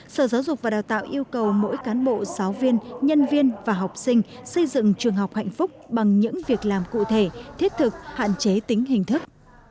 sở giáo dục và đào tạo yêu cầu mỗi cán bộ giáo viên nhân viên và học sinh xây dựng trường học hạnh phúc bằng những việc làm cụ thể thiết thực hạn chế tính hình thức